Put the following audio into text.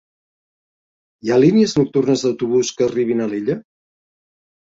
Hi ha línies nocturnes d'autobús que arribin a Alella?